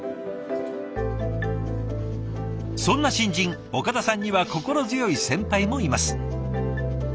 そんな新人岡田さんには心強い先輩もいます。